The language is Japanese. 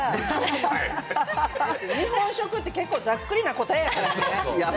日本食って、結構ざっくりな答えやからね。